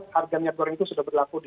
harga minyak goreng itu sudah berlaku di